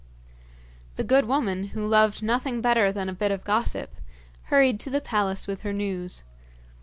The good woman, who loved nothing better than a bit of gossip, hurried to the palace with her news.